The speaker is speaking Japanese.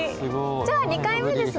じゃあ２回目ですね？